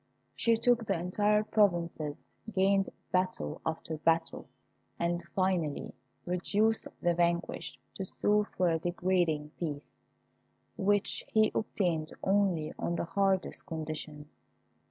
She took entire provinces, gained battle after battle, and finally reduced the vanquished to sue for a degrading peace, which he obtained only on the hardest conditions.